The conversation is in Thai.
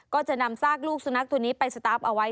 ก็จะนำซากลูกสุนัขตัวนี้ไปสตาร์ฟเอาไว้